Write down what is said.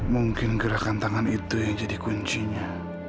mungkin gerakan tangan itu yang jadi kuncinya